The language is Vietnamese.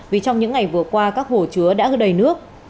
vì trong những ngày vừa qua các hồ chứa đã đầy nước